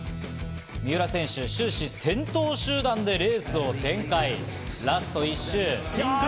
三浦選手、終始、先頭集団でレースを展開。